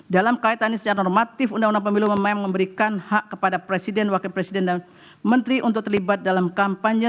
dalam kaitannya secara normatif undang undang pemilu memang memberikan hak kepada presiden wakil presiden dan menteri untuk terlibat dalam kampanye